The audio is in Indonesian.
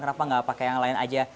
kenapa nggak pakai yang lain aja